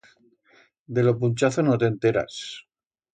De lo punchazo no t'enteras.